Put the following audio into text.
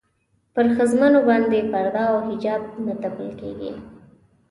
پر ښځمنو باندې پرده او حجاب نه تپل کېږي.